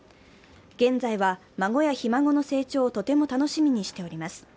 現在は孫やひ孫の成長をとても楽しみにしております。